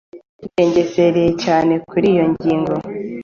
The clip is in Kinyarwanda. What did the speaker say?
Yarigengesereye cyane kuri iyo ngingo.